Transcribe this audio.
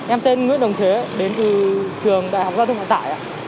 em tên nguyễn đồng thế đến từ trường đại học giao thông vận tải